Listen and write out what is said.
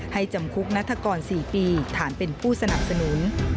จำคุกนัฐกร๔ปีฐานเป็นผู้สนับสนุน